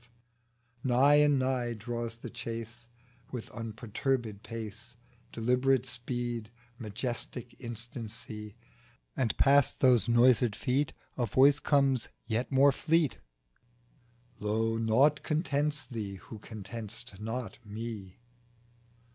FRANCIS THOMPSON 223 Nigh and nigh draws the chase With unperturbed pace Deliberate speed, majestic instancy; A.nd past those noised Feet A voice comes yet more fleet M Lo I naught contents thee, who content'st not Me."